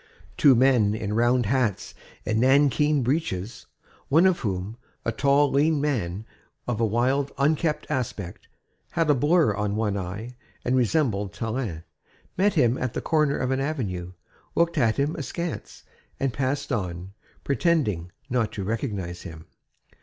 Two men in round hats and nankeen breeches, one of whom, a tall, lean man of a wild, unkempt aspect, had a blur on one eye and resembled Tallien, met him at the corner of an avenue, looked at him askance and passed on, pretending not to recognize him.